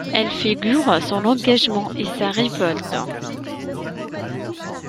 Elles figurent son engagement et sa révolte.